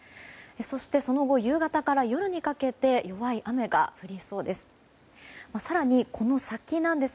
そして、その後夕方から夜にかけて弱い雨が降りそうです。